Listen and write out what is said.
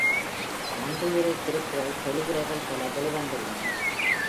நன்றியுரை திருக்குறள் தெளிவுரைகள் பல வெளிவந்துள்ளன.